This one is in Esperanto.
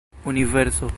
universo